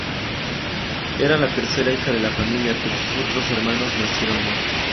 Era la tercera hija de la familia, pero sus otros hermanos nacieron muertos.